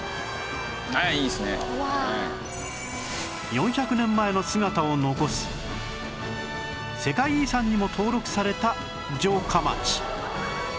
４００年前の姿を残す世界遺産にも登録された城下町